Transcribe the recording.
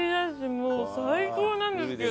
もう最高なんですけど。